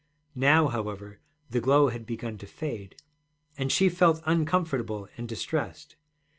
Now, however, the glow had begun to fade, and she felt uncomfortable and distressed.